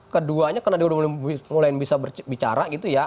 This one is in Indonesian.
keduanya karena dia udah mulai bisa bicara gitu ya